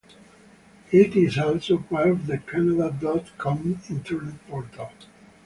It is also part of the canada dot com Internet portal.